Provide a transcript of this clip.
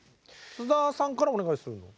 菅田さんからお願いするの？